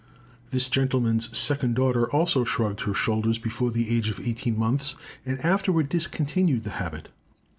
This gentleman's second daughter also shrugged her shoulders before the age of eighteen months, and afterwards discontinued the habit.